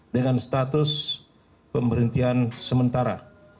dengan status pemberhentian sementara